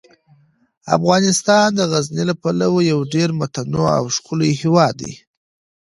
افغانستان د غزني له پلوه یو ډیر متنوع او ښکلی هیواد دی.